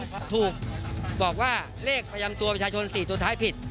หน้าหลังของผมถูกบอกว่าเลขไปรำจับรามันสี่ตัวท้ายผิด